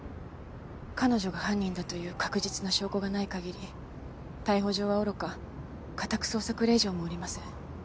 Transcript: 彼女が犯人だという確実な証拠がない限り逮捕状はおろか家宅捜索令状も下りません。